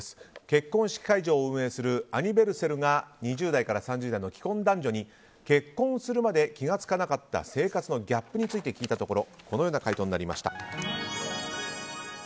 結婚式会場を運営するアニヴェルセルが２０代から３０代の既婚男女に結婚するまで気が付かなかった生活のギャップについて聞いたところこのような回答になりました。